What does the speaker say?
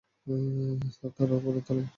Sir, তারা উপরের তলায়।